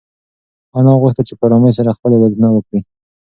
انا غوښتل چې په ارامۍ سره خپل عبادتونه وکړي.